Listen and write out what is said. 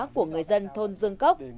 của người dân thôn dương cốc